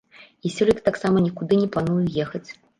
І сёлета таксама нікуды не планую ехаць.